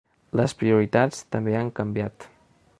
Les prioritats també han canviat.